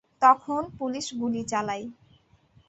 তখন পুলিস গুলি চালায়।